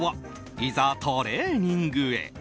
いざ、トレーニングへ。